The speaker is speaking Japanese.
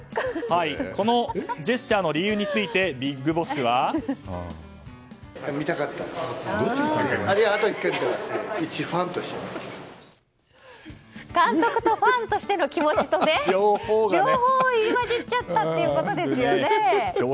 このジェスチャーの理由についてＢＩＧＢＯＳＳは。監督とファンとしての気持ちと両方入り混じっちゃったということですよね。